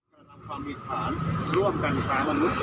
เธอทำความหิตฐานร่วมกันกับมนุษย์